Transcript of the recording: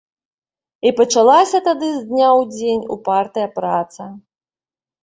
І пачалася тады з дня ў дзень упартая праца.